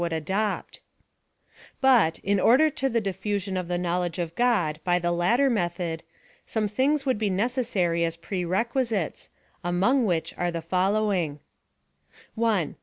lis PHILOSOPHY OF THE Biitj in order to the difTusion of the Knowledge of God by the latter method, some things would hn necessary as pre re^uisites, among which are the following — 1.